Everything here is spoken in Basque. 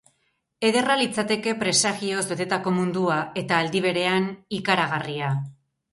Ederra litzateke presagioz betetako mundua, eta aldi berean ikaragarria.